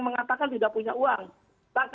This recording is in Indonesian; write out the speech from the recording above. mengatakan tidak punya uang